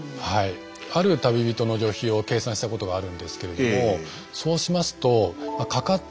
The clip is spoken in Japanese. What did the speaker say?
ある旅人の旅費を計算したことがあるんですけれどもそうしますとハハハッ！